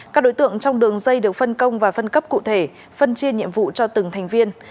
các đối tượng trong đường dây được phân công và phân cấp cụ thể phân chia nhiệm vụ cho từng thành viên